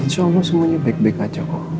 insya allah semuanya baik baik aja kok